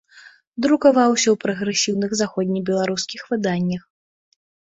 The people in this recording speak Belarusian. Друкаваўся ў прагрэсіўных заходнебеларускіх выданнях.